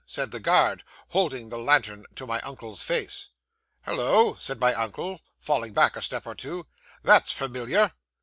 said the guard, holding the lantern to my uncle's face. '"Hollo!" said my uncle, falling back a step or two. "That's familiar!"